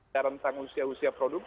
dan tentang usia usia produksi